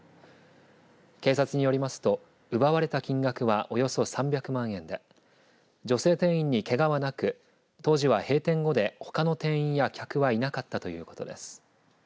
警察によりますと奪われた金額はおよそ３００万円で女性店員にけがはなく当時は閉店後でほかの店員や客はいなかったということです。